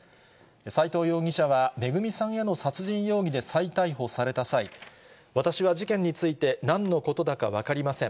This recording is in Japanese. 斎藤容疑者は恵さんへの殺人容疑で再逮捕された際、私は事件についてなんのことだか分かりません。